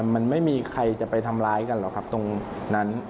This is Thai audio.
มันไม่มีใครจะไปทำร้ายกันหรอกครับตรงนั้น